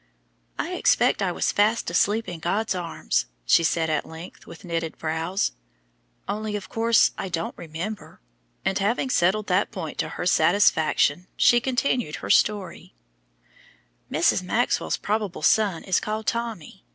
"I expect I was fast asleep in God's arms," she said at length, with knitted brows; "only, of course, I don't remember," and having settled that point to her satisfaction, she continued her story: "Mrs. Maxwell's 'probable son' is called Tommy.